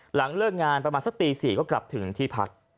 หลังเลิกงานประมาณสักตี๔ก็กลับถึงที่พัก